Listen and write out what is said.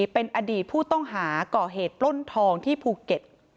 เป็นอดีตผู้ต้องหาก่อเหตุปล้นทองที่ภูเก็ต